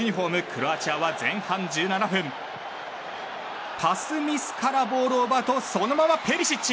クロアチアは前半１７分パスミスからボールを奪うとそのままペリシッチ！